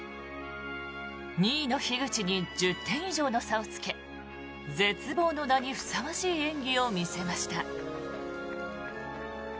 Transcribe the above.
２位の樋口に１０点以上の差をつけ絶望の名にふさわしい演技を見せました。